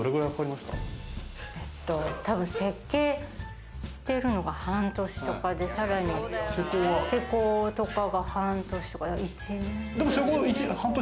設計してるのが半年とかで、さらに施工とかが半年、だから１年。